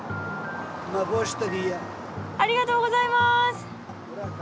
ありがとうございます。